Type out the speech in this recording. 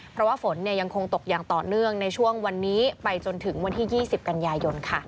เพราะว่าฝนตกต่๋วยังต่อเนื่องในช่วงวันนี้ไปจนถึงวันที่๒๐กันยายน